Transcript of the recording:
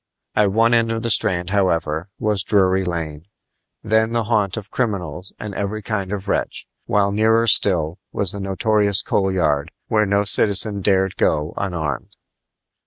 At one end of the Strand, however, was Drury Lane, then the haunt of criminals and every kind of wretch, while nearer still was the notorious Coal Yard, where no citizen dared go unarmed.